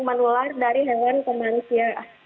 menular dari hewan ke manusia